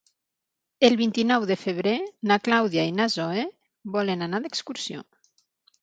El vint-i-nou de febrer na Clàudia i na Zoè volen anar d'excursió.